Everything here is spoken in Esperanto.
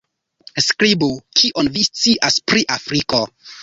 Skribu: Kion vi scias pri Afriko?